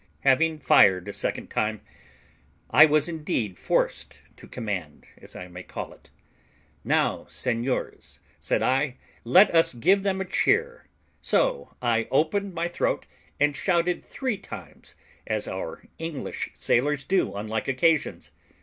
Having fired a second time, I was indeed forced to command, as I may call it. "Now, seigniors," said I, "let us give them a cheer." So I opened my throat, and shouted three times, as our English sailors do on like occasions.